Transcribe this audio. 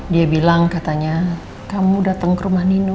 dia bilang katanya kamu datang ke rumah nino